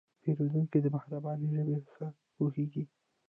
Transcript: پیرودونکی د مهربانۍ ژبه ښه پوهېږي.